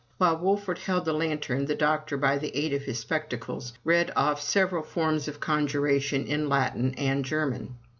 While Wolfert held the lantern, the doctor, by the aid of his spectacles, read off several forms of conjuration in Latin and German.